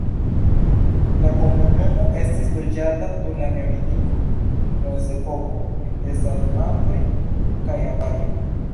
La komunumo estis loĝata dum la neolitiko, bronzepoko, de sarmatoj kaj avaroj.